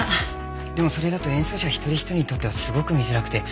でもそれだと演奏者一人一人にとってはすごく見づらくて。